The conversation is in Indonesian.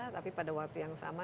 tapi pada waktu yang sama